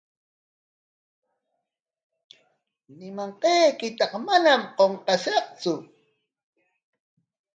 Ñimanqaykitaqa manam qunqashaqtsu.